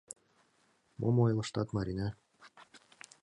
— Мом ойлыштат, Марина!..